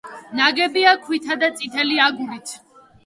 ნაგებია ქვითა და წითელი აგურით.